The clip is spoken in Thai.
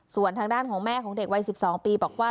ส่วนทางด้านของแม่ของเด็กวัย๑๒ปีบอกว่า